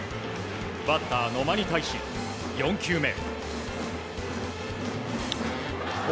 バッター、野間に対し、４球目。